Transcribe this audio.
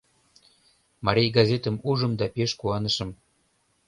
Марий газетым ужым да пеш куанышым.